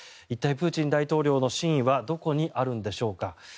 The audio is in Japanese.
一体、プーチン大統領の真意はどこにあるんでしょうか。